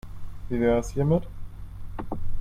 Wie wäre es hiermit?